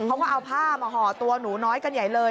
เขาก็เอาผ้ามาห่อตัวหนูน้อยกันใหญ่เลย